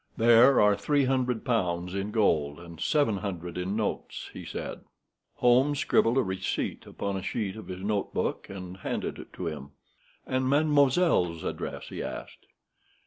"There are three hundred pounds in gold, and seven hundred in notes," he said. Holmes scribbled a receipt upon a sheet of his notebook, and handed it to him. "And mademoiselle's address?" he asked.